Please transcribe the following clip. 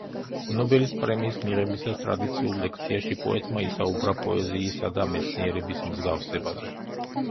ნობელის პრემიის მიღებისას, ტრადიციულ ლექციაში, პოეტმა ისაუბრა პოეზიისა და მეცნიერების მსგავსებაზე.